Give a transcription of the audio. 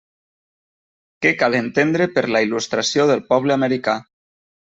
Què cal entendre per la il·lustració del poble americà.